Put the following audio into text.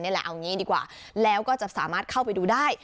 แหละเอางี้ดีกว่าแล้วก็จะสามารถเข้าไปดูได้